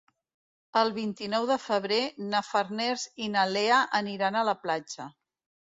El vint-i-nou de febrer na Farners i na Lea aniran a la platja.